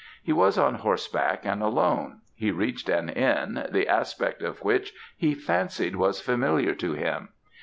He was on horseback and alone; he reached an inn, the aspect of which he fancied was familiar to him.